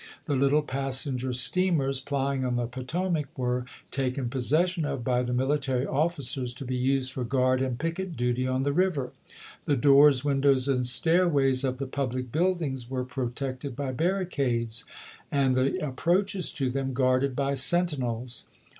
The little passenger steamers plying on the Potomac were taken possession of by the military officers to be used for guard and picket duty on the river. The doors, windows, and stairways of the public buildings were protected by barricades, and the approaches to them guarded by sentinels.